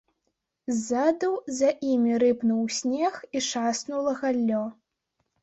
Ззаду за імі рыпнуў снег і шаснула галлё.